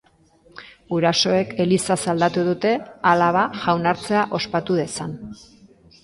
Gurasoek elizaz aldatu dute alaba jaunartzea ospatu dezan.